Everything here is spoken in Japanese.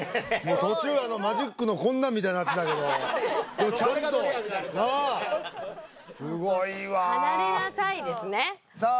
途中あのマジックのこんなんみたいになってたけどちゃんとなあすごいわそうそうそう離れなさいですねさあ